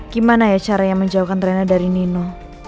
gimana ya cara yang menjauhkan rena dari nino